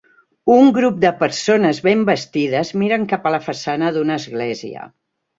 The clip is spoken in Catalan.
Un grup de persones ben vestides miren cap a la façana d'una església.